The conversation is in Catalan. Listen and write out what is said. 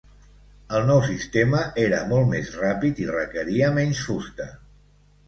El nou sistema era molt més ràpid i requeria menys fusta.